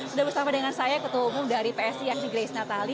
sudah bersama dengan saya ketua umum dari psi yakni grace natali